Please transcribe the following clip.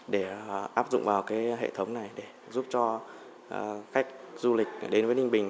để áp dụng vào hệ thống này để giúp cho khách du lịch đến với ninh bình